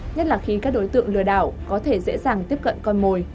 nhất là khi các đối tượng lừa đảo có thể dễ dàng tiếp cận con mồi